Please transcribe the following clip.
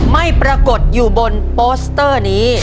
ไม่ปรากฏอยู่บนโปสเตอร์นี้